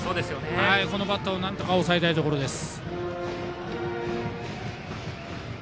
このバッターをなんとか抑えたいところです。